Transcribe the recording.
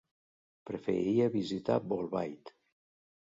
Preferiria visitar Bolbait.